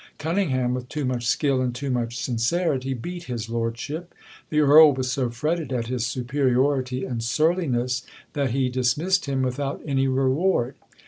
Cunningham, with too much skill and too much sincerity, beat his lordship. "The earl was so fretted at his superiority and surliness, that he dismissed him without any reward.